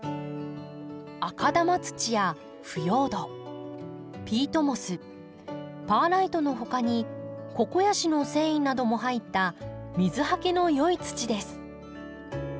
赤玉土や腐葉土ピートモスパーライトの他にココヤシの繊維なども入った水はけの良い土です。